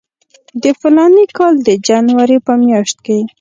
د فلاني کال د جنوري په میاشت کې.